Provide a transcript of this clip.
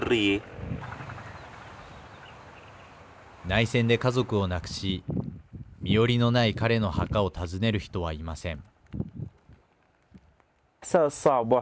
内戦で家族を亡くし身寄りのない彼の墓を訪ねる人はいません。